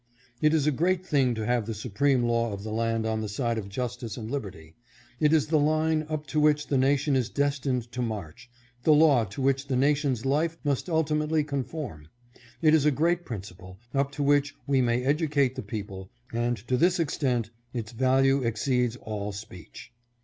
It is a great thing to have the supreme law of the land on the side of justice and liberty. It is the line up to which the nation is destined to march — the law to which FOURTEENTH AND FIFTEENTH AMENDMENTS. 611 the nation's life must ultimately conform. It is a great principle, up to which we may educate the people, and to this extent its value exceeds all speech.